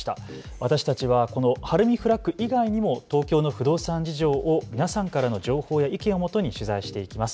私たちはこの晴海フラッグ以外にも東京の不動産事情を皆さんからの情報や意見をもとに取材していきます。